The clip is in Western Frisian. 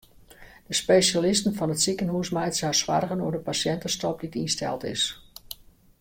De spesjalisten fan it sikehús meitsje har soargen oer de pasjintestop dy't ynsteld is.